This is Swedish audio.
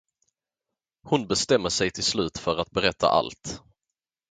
Hon bestämmer sig till slut för att berätta allt.